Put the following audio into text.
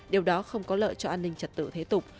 điều đó không có lợi cho an ninh trật tự thế tục